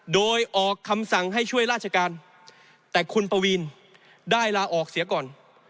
โดยออกคำสั่งให้ช่วยราชการแต่คุณปวีนได้ลาออกเสียก่อน